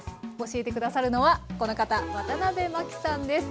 教えて下さるのはこの方渡辺麻紀さんです。